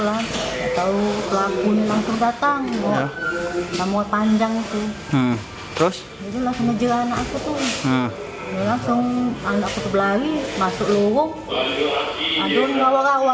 lalu langsung anak aku itu berlari masuk lurung adun rawa rawa